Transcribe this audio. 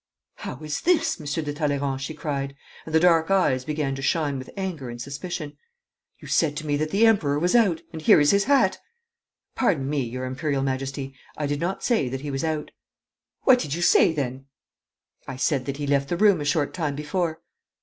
'How is this, Monsieur de Talleyrand,' she cried, and the dark eyes began to shine with anger and suspicion. 'You said to me that the Emperor was out, and here is his hat!' 'Pardon me, your Imperial Majesty, I did not say that he was out.' 'What did you say then?' 'I said that he left the room a short time before.'